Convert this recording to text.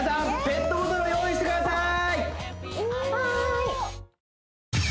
ペットボトルを用意してください！